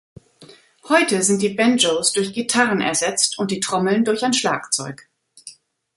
Heute sind die Banjos durch Gitarren ersetzt und die Trommeln durch ein Schlagzeug.